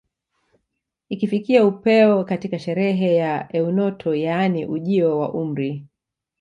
Ikifikia upeo katika sherehe ya eunoto yaani ujio wa umri